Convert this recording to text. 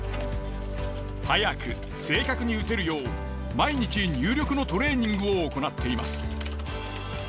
速く正確に打てるよう毎日入力のトレーニングを行っています。